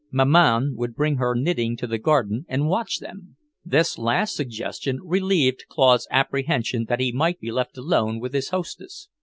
Maman would bring her knitting to the garden and watch them. This last suggestion relieved Claude's apprehension that he might be left alone with his hostess.